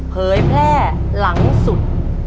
เผยแพร่หลังสุด